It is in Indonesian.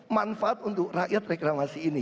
manfaat untuk rakyat reklamasi ini